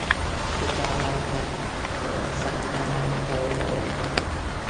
د تا غږ ښه ده یوه سندره را ته ووایه